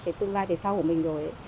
cái tương lai về sau của mình rồi